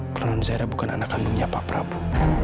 kalo non zaira bukan anak kandungnya pak prabu